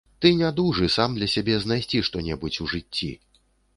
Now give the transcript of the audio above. Ты не дужы сам для сябе знайсці што-небудзь у жыцці.